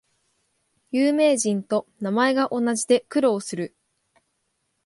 有名人と名前が同じで苦労する